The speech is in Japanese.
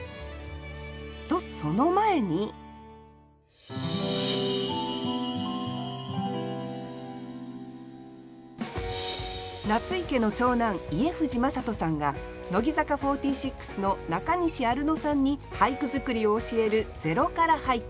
とその前に夏井家の長男家藤正人さんが乃木坂４６の中西アルノさんに俳句作りを教える「０から俳句」。